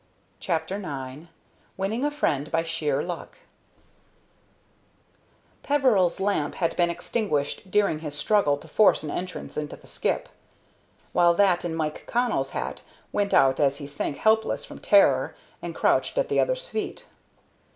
CHAPTER IX WINNING A FRIEND BY SHEER PLUCK Peveril's lamp had been extinguished during his struggle to force an entrance into the skip, while that in Mike Connell's hat went out as he sank helpless from terror and crouched at the other's feet.